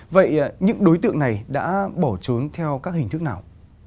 vậy những đối tượng này đã bỏ trốn theo các hình thức nào